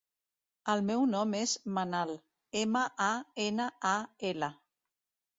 El meu nom és Manal: ema, a, ena, a, ela.